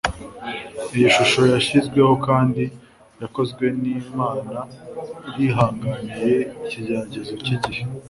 iyi shusho yashizweho kandi yakozwe nimana yihanganiye ikigeragezo cyigihe